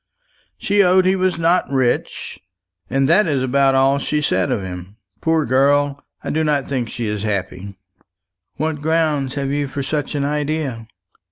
She owned he was not rich, and that is about all she said of him. Poor girl, I do not think she is happy!" "What ground have you for such an idea?"